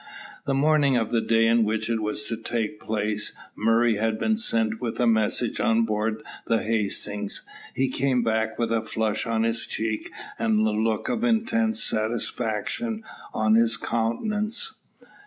The morning of the day in which it was to take place, Murray had been sent with a message on board the Hastings. He came back with a flush on his cheek and a look of intense satisfaction on his countenance.